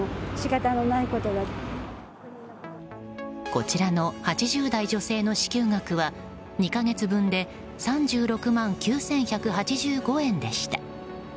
こちらの８０代女性の支給額は２か月分で３６万９１８５円でした。